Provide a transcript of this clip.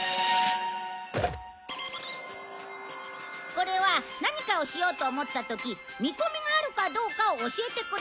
これは何かをしようと思った時みこみがあるかどうかを教えてくれるんだ。